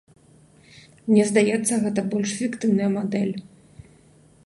Мне здаецца, гэта больш эфектыўная мадэль.